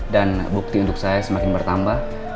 bukti untuk saya semakin bertambah